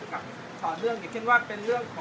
สวัสดีครับ